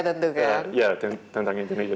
tentu kan ya tentang indonesia